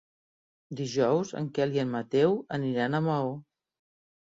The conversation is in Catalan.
Dijous en Quel i en Mateu aniran a Maó.